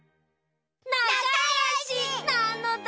なかよし！なのだ。